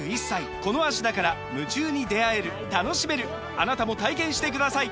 あなたも体験してください！